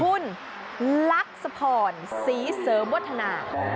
คุณลักษฐรศรีเสมอทนา